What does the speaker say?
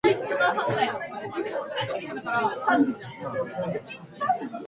早う文章溜めて